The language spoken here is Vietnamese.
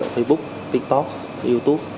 tại facebook tiktok youtube